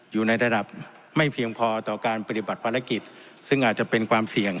อยู่ในระดับไม่เพียงพอต่อการปฏิบัติภารกิจซึ่งอาจจะเป็นความเสี่ยง